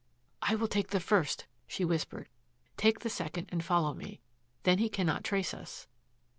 "I will take the first," she whispered. "Take the second and follow me. Then he cannot trace us."